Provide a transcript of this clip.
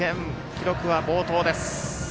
記録は暴投です。